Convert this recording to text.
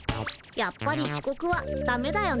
やっぱりちこくはダメだよね。